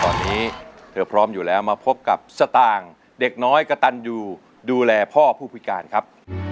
ตอนนี้เธอพร้อมอยู่แล้วมาพบกับสตางค์เด็กน้อยกระตันอยู่ดูแลพ่อผู้พิการครับ